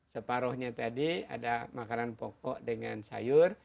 separohnya tadi ada makanan pokok dengan sayur